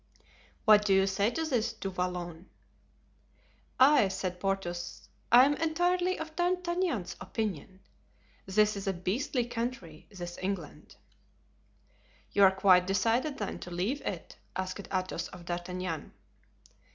"What do you say to this, Du Vallon?" "I," said Porthos, "I am entirely of D'Artagnan's opinion; this is a 'beastly' country, this England." "You are quite decided, then, to leave it?" asked Athos of D'Artagnan.